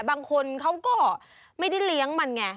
บางคนเขาก็ไม่ได้เลี้ยงมันไง